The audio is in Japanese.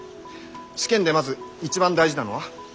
試験でまず一番大事なのは？